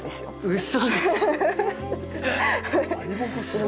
うそでしょう？